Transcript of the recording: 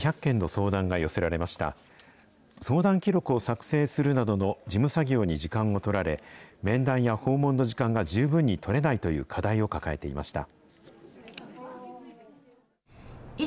相談記録を作成するなどの事務作業に時間を取られ、面談や訪問の時間が十分に取れないという課題を抱えていました。